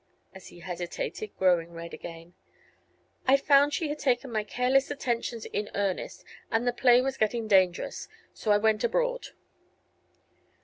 as he hesitated, growing red again. "I found she had taken my careless attentions in earnest, and the play was getting dangerous. So I went abroad."